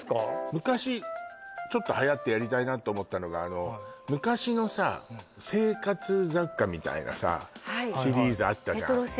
昔ちょっとはやってやりたいなと思ったのが昔のさはいレトロシリーズシリーズあったじゃん